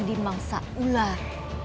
di mangsa ular